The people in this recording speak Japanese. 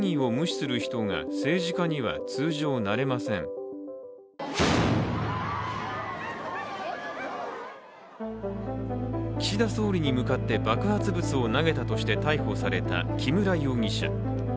更に、岸田総理に関する内容も岸田総理に向かって爆発物を投げたとして逮捕された木村容疑者。